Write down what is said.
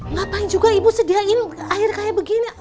ngapain juga ibu sediain air kayak begini